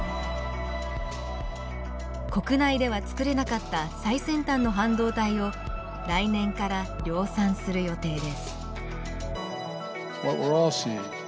国内ではつくれなかった最先端の半導体を来年から量産する予定です。